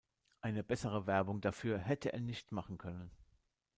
Eine bessere Werbung dafür hätte er nicht machen können.